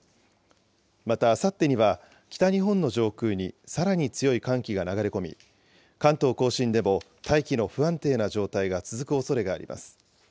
またあさってには、北日本の上空にさらに強い寒気が流れ込み、関東甲信でも大気の不安定な状態が続くおそれがあります。